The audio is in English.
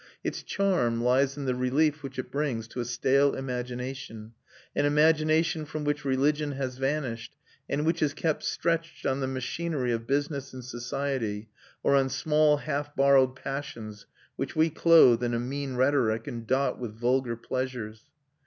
Its charm lies in the relief which it brings to a stale imagination, an imagination from which religion has vanished and which is kept stretched on the machinery of business and society, or on small half borrowed passions which we clothe in a mean rhetoric and dot with vulgar pleasures.